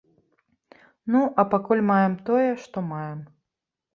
Ну, а пакуль маем тое, што маем.